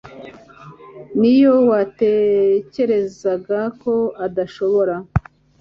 niyo watekerezaga ko udashobora